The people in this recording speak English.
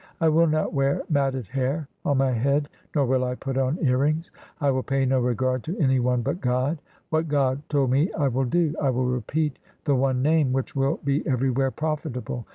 I will not wear matted hair on my head, Nor will I put on earrings ; I will pay no regard to any one but God. What God told me I will do. I will repeat the one Name Which will be everywhere profitable.